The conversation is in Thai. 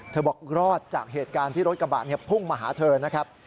บอกรอดจากเหตุการณ์ที่รถกระบะพุ่งมาหาเธอนะครับ